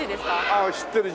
ああ知ってる。